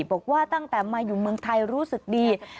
บอกว่าตั้งแต่มาอยู่เมืองไทยรู้สึกดี